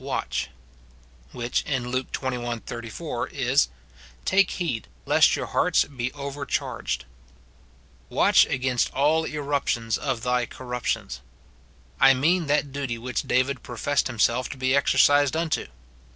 Watch;" which, in Luke xxi. 34, is, " Take heed lest your hearts be overcharged," Watch against all eruptions of thy corruptions. I mean that duty which David professed himself to be exercised unto.